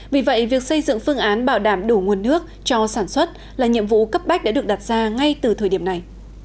vì vậy việc xây dựng phương án bảo đảm đủ nguồn nước cho sản xuất là nhiệm vụ cấp bách đã được đặt ra ngay từ thời điểm này